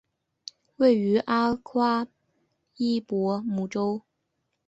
位于阿夸伊博姆州。